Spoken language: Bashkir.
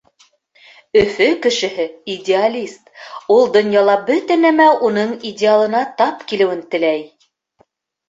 Өфө кешеһе — идеалист. Ул донъяла бөтә нәмә уның идеалына тап килеүен теләй.